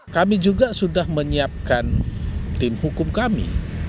kami juga sudah menyiapkan tim hukum kami